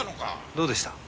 どうでした？